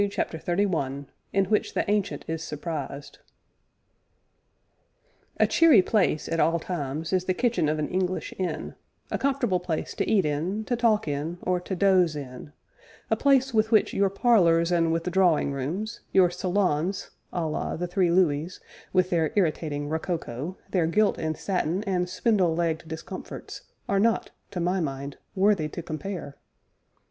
CHAPTER XXXI IN WHICH THE ANCIENT IS SURPRISED A cheery place, at all times, is the kitchen of an English inn, a comfortable place to eat in, to talk in, or to doze in; a place with which your parlors and withdrawing rooms, your salons (a la the three Louis) with their irritating rococo, their gilt and satin, and spindle legged discomforts, are not (to my mind) worthy to compare.